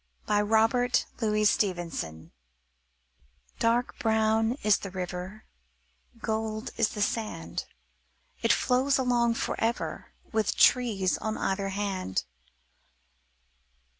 Robert Louis Stevenson Dark brown is the river, Golden is the sand. It flows along forever, With trees on either hand.